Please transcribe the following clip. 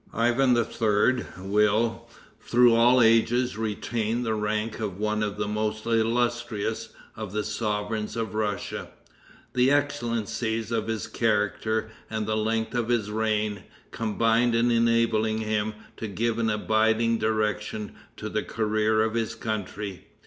Ivan III. will, through all ages, retain the rank of one of the most illustrious of the sovereigns of Russia. The excellencies of his character and the length of his reign, combined in enabling him to give an abiding direction to the career of his country.